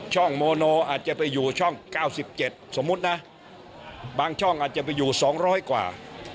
โมโนอาจจะไปอยู่ช่อง๙๗สมมุตินะบางช่องอาจจะไปอยู่๒๐๐กว่า